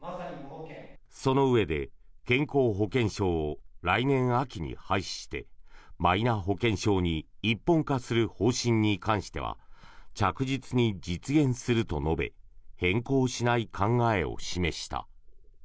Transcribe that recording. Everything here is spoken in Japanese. そのうえで健康保険証を来年秋に廃止してマイナ保険証に一本化する方針に関しては着実に実現すると述べ変更しない考えを示した。